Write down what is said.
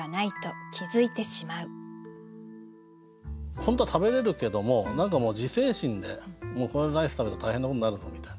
本当は食べれるけども何かもう自制心でもうこのライス食べたら大変なことになるぞみたいな。